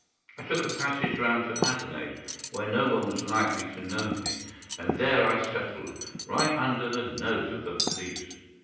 I took a passage round to Adelaide, where no one was likely to know me; and there I settled, right under the nose of the police.